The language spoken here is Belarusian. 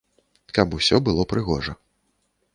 Каб усё было прыгожа.